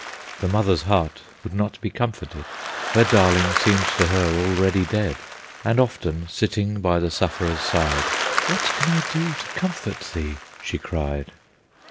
The mother's heart would not be comforted; Her darling seemed to her already dead, And often, sitting by the sufferer's side, "What can I do to comfort thee?" she cried.